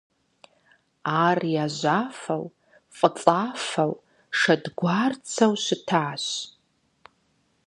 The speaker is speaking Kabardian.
Ар яжьафэу, фӀыцӀафэу, шэдгуарцэу щытщ.